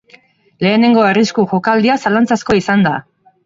Lehenengo arrisku jokaldia zalantzazkoa izan da.